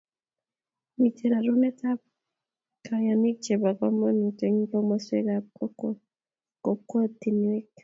Mitei rarunetab kanyoik chebo komonut eng komosweekab kokwotinweek.